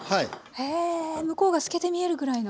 へえ向こうが透けて見えるぐらいの。